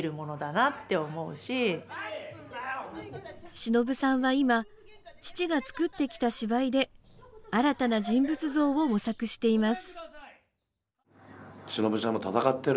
しのぶさんは今父が作ってきた芝居で新たな人物像を模索しています。